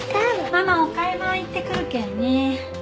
ママお買い物行ってくるけんね。